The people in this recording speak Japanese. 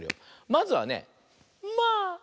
まずはね「まあ！」。